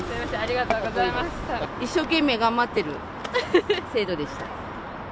一生懸命頑張ってる生徒でした。